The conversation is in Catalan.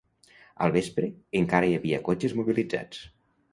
Al vespre, encara hi havia cotxes mobilitzats.